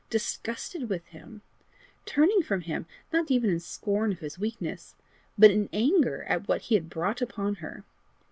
disgusted with him! turning from him, not even in scorn of his weakness, but in anger at what he had brought upon her!